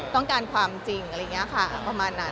ต้องการความจริงอะไรอย่างนี้ค่ะประมาณนั้น